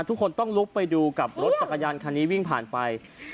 ทุกคนต้องลุกไปดูกับรถจักรยานคันนี้วิ่งผ่านไป